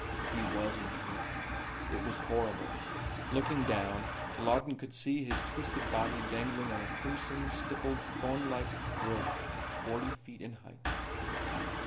He was impaled. It was horrible. Looking down Lawton could see his twisted body dangling on a crimson stippled thornlike growth forty feet in height.